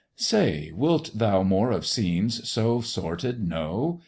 Say, wilt thou more of scenes so sordid know?